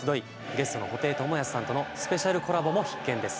ゲストの布袋寅泰さんとのスペシャルコラボも必見です